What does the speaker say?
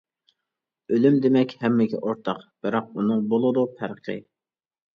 ئۆلۈم دېمەك ھەممىگە ئورتاق، بىراق ئۇنىڭ بولىدۇ پەرقى.